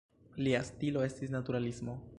Lia stilo estis naturalismo.